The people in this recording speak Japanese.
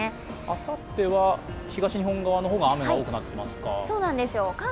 あさっては、東日本側の方が雨が多くなっていますか。